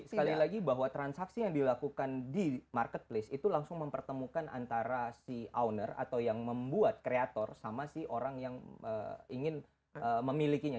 sekali lagi bahwa transaksi yang dilakukan di marketplace itu langsung mempertemukan antara si owner atau yang membuat kreator sama si orang yang ingin memilikinya